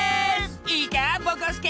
いいかぼこすけ！